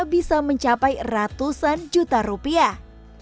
bisa mencapai ratusan juta rupiah